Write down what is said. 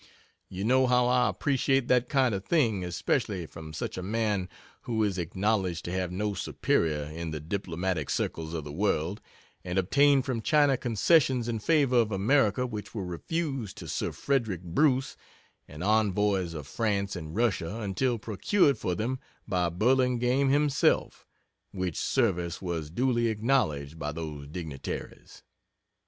You know how I appreciate that kind of thing especially from such a man, who is acknowledged to have no superior in the diplomatic circles of the world, and obtained from China concessions in favor of America which were refused to Sir Frederick Bruce and Envoys of France and Russia until procured for them by Burlingame himself which service was duly acknowledged by those dignitaries.